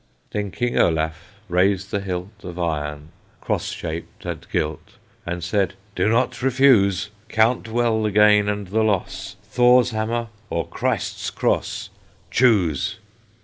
Then King Olaf raised the hilt Of iron, cross shaped and gilt, And said, "Do not refuse; Count well the gain and the loss, Thor's hammer or Christ's cross: Choose!"